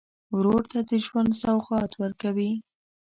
ورور ته د ژوند سوغات ورکوې.